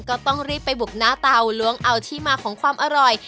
ก็ต้องรีบไปบุกหน้าเตาล้วงเอาที่มาของความอร่อย